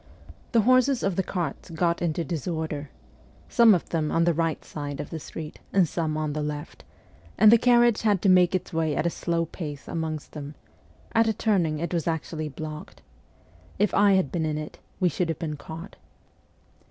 The horses of the carts, got into disorder some of them on the right side of the street, and some THE ESCAPE 171 on the left and the carriage had to ir ake its way at a slow pace amongst them ; at a turning it was actually blocked. If I had been in it, we should have been caught.